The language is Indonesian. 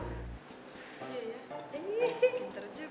iya ya pinter juga